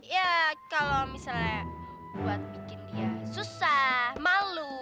ya kalau misalnya buat bikin dia susah malu